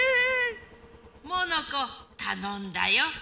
モノコたのんだよ。